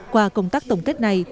qua công tác tổng kết này